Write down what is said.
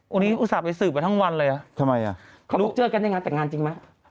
วันนี้อุตส่าห์ไปสืบกันทั้งวันเลยอ่ะทำไมอ่ะลูกเจอกันในงานแต่งงานจริงไหม